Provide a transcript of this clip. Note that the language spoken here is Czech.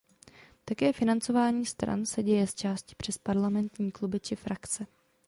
Také financování stran se děje zčásti přes parlamentní kluby či frakce.